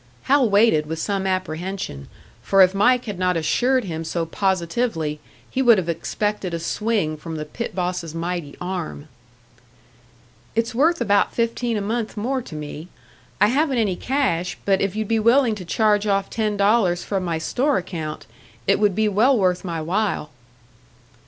Hal waited with some apprehension for if Mike had not assured him so positively, he would have expected a swing from the pit boss's mighty arm. "It's worth about fifteen a month more to me. I haven't any cash, but if you'd be willing to charge off ten dollars from my store account, it would be well worth my while."